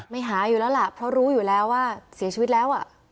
หาอยู่แล้วล่ะเพราะรู้อยู่แล้วว่าเสียชีวิตแล้ว